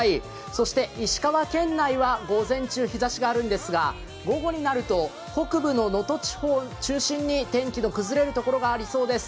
そして石川県内は午前中、日ざしがあるんですが午後になると、北部の能登地方を中心に天気の崩れるところがありそうです。